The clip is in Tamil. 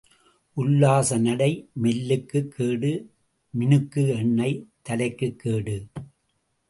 உல்லாச நடை மெலுக்குக் கேடு மினுக்கு எண்ணெய் தலைக்குக் கேடு.